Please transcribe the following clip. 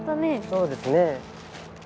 そうですねぇ。